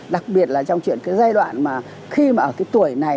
đặc biệt là trong chuyện cái giai đoạn mà khi mà ở cái tuổi này